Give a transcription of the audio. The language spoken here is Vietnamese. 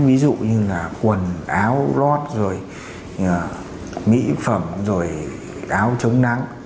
ví dụ như là quần áo lót rồi mỹ phẩm rồi áo chống nắng